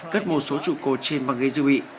cất một số trụ cột trên bằng gây dư vị